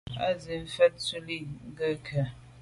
Á jíìt sə́ vhə̀ə́ thúvʉ́ dlíj Nùŋgɛ̀ kɛ́ɛ̀ á.